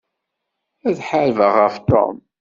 Ad ḥarbeɣ ɣef Tom.